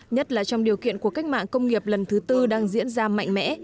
nhất là trong điều kiện của cách mạng công nghiệp lần thứ tư đang diễn ra mạnh mẽ